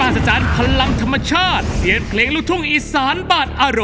ไม่อยากคิดจะเอาขนะเต้นโบนัสแล้วเหรอ